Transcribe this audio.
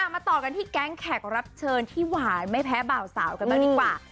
มาต่อกันที่แก๊งแขกรับเชิญที่หวานไม่แพ้บ่าวสาวกันบ้างดีกว่า